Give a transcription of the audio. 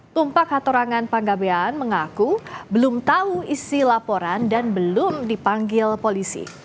tumpak hatorangan panggabean mengaku belum tahu isi laporan dan belum dipanggil polisi